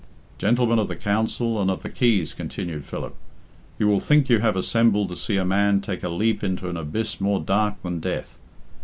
"Gentlemen of the Council and of the Keys," continued Philip, "you will think you have assembled to see a man take a leap into an abyss more dark than death.